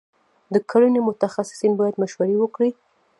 د کرنې متخصصین باید مشورې ورکړي.